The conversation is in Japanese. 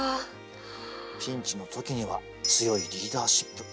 ピンチの時には強いリーダーシップ。